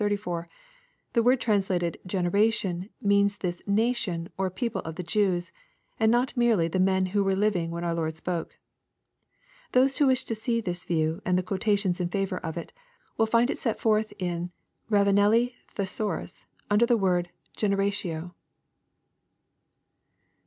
34, the word translated, " generation," means this nation or people of the Jews, and not merely the men who were living when our Lord spoke. Those who wish to see this view, and the quotations in fiivor of if, will find it set forth in Ravanelli Thesaurus, under the word " generatio."